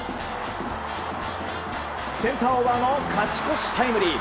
センターオーバーの勝ち越しタイムリー。